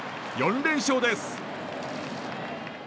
４連勝です。